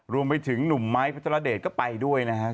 รวมไปถึงหนุ่มไม้พัทรเดชก็ไปด้วยนะครับ